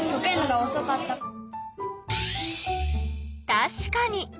たしかに！